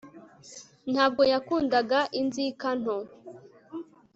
Ntabwo yakundaga inzika nto